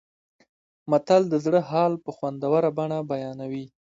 متل د زړه حال په خوندوره بڼه بیانوي